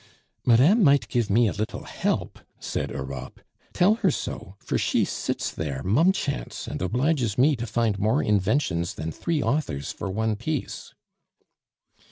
"Madame might give me a little help," said Europe. "Tell her so, for she sits there mumchance, and obliges me to find more inventions than three authors for one piece."